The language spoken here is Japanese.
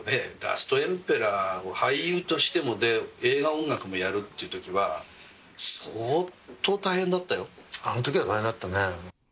だけど「ラストエンペラー」を俳優としても映画音楽もやるというときはあのときは大変だったね。